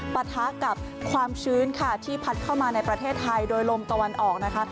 ปะทะกับความชื้นค่ะที่พัดเข้ามาในประเทศไทยโดยลมตะวันออกนะคะ